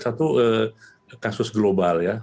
mungkin kita lihat satu kasus global ya